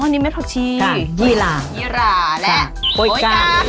อ๋อนี่ไม้ผักชียี่หล่ายี่หล่าและโป๊ยกา